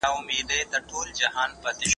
خالقه ورځي څه سوې توري شپې دي چي راځي